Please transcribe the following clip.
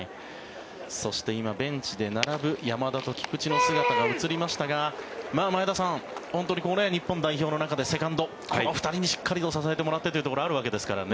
そして今、ベンチで並ぶ山田と菊池の姿が映りましたが前田さん、日本代表の中でセカンド、この２人にしっかりと支えてもらってというところがあるわけですからね。